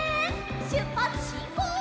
しゅっぱつしんこう！